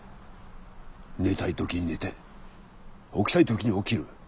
寝たい時に寝て起きたい時に起きる。